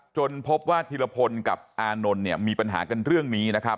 พบว่าธีรพลกับอานนท์เนี่ยมีปัญหากันเรื่องนี้นะครับ